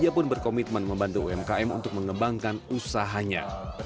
ia pun berkomitmen membantu umkm untuk mengembangkan usahanya